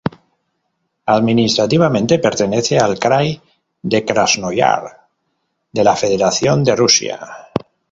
Administrativamente, pertenece al krai de Krasnoyarsk de la Federación de Rusia.